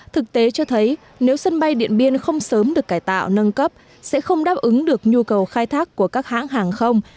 thực tế cho thấy nếu sân bay điện biên không sớm được cải tạo nâng cấp sẽ không đáp ứng được nhu cầu khai thác của các hãng hàng không